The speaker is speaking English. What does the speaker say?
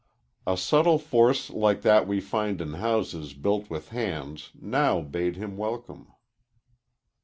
A subtle force like that we find in houses built with hands now bade him welcome.